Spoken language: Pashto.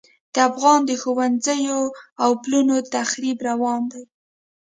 د افغانستان د ښوونځیو او پلونو تخریب روان دی.